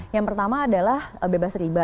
yang pertama adalah bebas riba